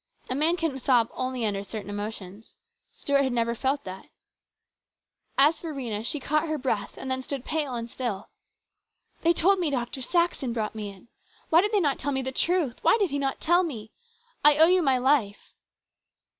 A man can sob only under certain emotions. Stuart had never felt that DISAPPOINTMENT. 231 As for Rhena, she caught her breath and then stood pale and still. "They told me Dr. Saxon brought me in. Why did they not tell me the truth ? Why did he not tell me ? I owe you my life."